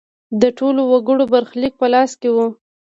د ټولو وګړو برخلیک په لاس کې و.